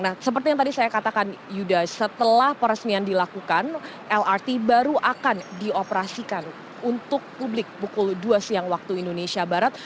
nah seperti yang tadi saya katakan yuda setelah peresmian dilakukan lrt baru akan dioperasikan untuk publik pukul dua siang waktu indonesia barat